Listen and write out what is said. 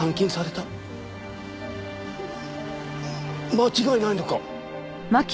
間違いないのか？